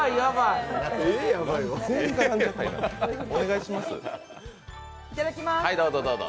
いただきます。